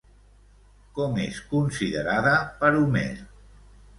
Com és considerada per Homer?